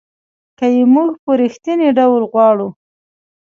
که یې موږ په رښتینې ډول غواړو .